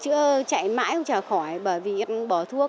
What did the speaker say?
chưa chạy mãi không trả khỏi bởi vì bỏ thuốc